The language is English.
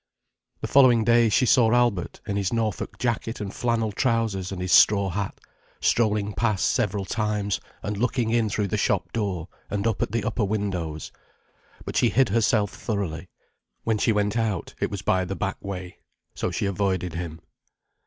The following days she saw Albert, in his Norfolk jacket and flannel trousers and his straw hat, strolling past several times and looking in through the shop door and up at the upper windows. But she hid herself thoroughly. When she went out, it was by the back way. So she avoided him.